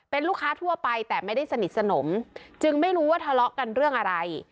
เป็นลูกค้าทั่วไปแต่ไม่ได้สนิทสนมจึงไม่รู้ว่าทะเลาะกันเรื่องอะไร